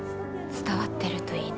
伝わってるといいね。